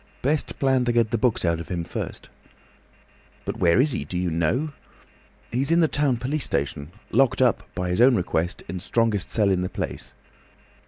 "Best plan to get the books out of him first." "But where is he? Do you know?" "He's in the town police station, locked up, by his own request, in the strongest cell in the place."